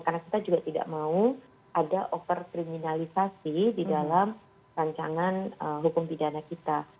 karena kita juga tidak mau ada overkriminalisasi di dalam rancangan hukum pidana kita